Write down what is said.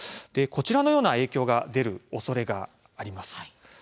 こちらのような影響が出るおそれがあります。